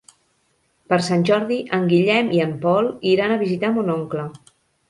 Per Sant Jordi en Guillem i en Pol iran a visitar mon oncle.